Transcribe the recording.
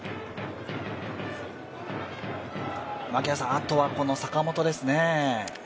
あとは坂本ですね。